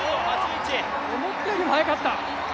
思ったよりも速かった。